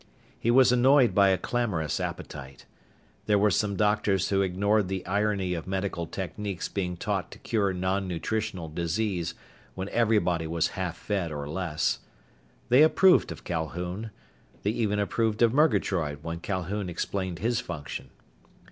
He was annoyed by a clamorous appetite. There were some doctors who ignored the irony of medical techniques being taught to cure nonnutritional disease, when everybody was half fed, or less. They approved of Calhoun. They even approved of Murgatroyd when Calhoun explained his function.